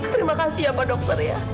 terima kasih ya pak dokter ya